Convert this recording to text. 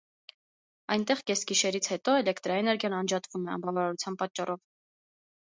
Այնտեղ կեսգիշերից հետո, էլեկտրաէներգիան անջատվում է, անբավարարության պատճառով։